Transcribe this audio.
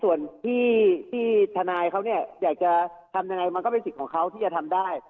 ส่วนที่ทนายเขาเนี่ยอยากจะทำยังไงมันก็เป็นสิทธิ์ของเขาที่จะทำได้